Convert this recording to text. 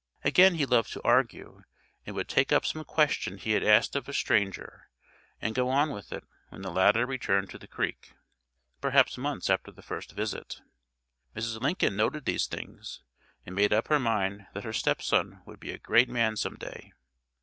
Again he loved to argue, and would take up some question he had asked of a stranger and go on with it when the latter returned to the Creek, perhaps months after the first visit. Mrs. Lincoln noted these things, and made up her mind that her stepson would be a great man some day.